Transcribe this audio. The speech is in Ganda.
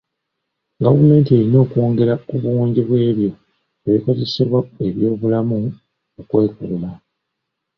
Gavumenti erina okwongera ku bungi bw'ebyo ebikozesebwa ab'ebyobulamu mu kwekuuma